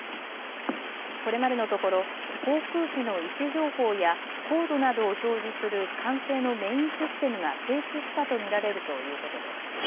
これまでのところ航空機の位置情報や高度などを表示する管制のメインシステムが停止したと見られるということです。